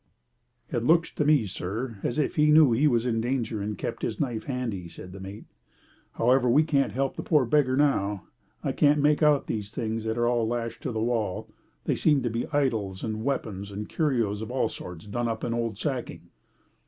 "It looks to me, sir, as if he knew he was in danger and kept his knife handy," said the mate. "However, we can't help the poor beggar now. I can't make out these things that are lashed to the wall. They seem to be idols and weapons and curios of all sorts done up in old sacking."